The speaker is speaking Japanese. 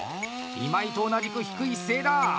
今井と同じく低い姿勢だ。